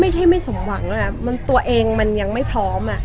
ไม่ใช่ไม่สมหวังตัวเองมันยังไม่พร้อม